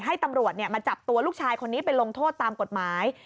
ให้ตำรวจมาจับตัวลูกชายคนนี้ไปลงโทษตามกฎหมาย